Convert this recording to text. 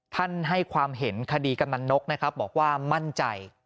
ให้ความเห็นคดีกำนันนกนะครับบอกว่ามั่นใจ